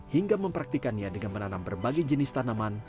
hingga mempraktikannya dengan menanam berbagai jenis tanaman